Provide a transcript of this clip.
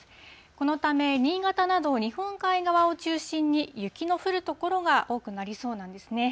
このため、新潟など日本海側を中心に雪の降る所が多くなりそうなんですね。